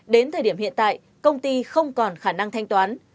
đến thời điểm hiện tại công ty không còn khả năng thanh toán